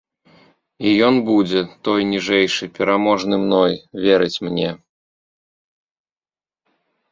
І ён будзе, той ніжэйшы, пераможны мной, верыць мне.